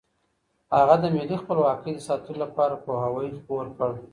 هغه د ملي خپلواکۍ د ساتلو لپاره پوهاوی خپور کړ.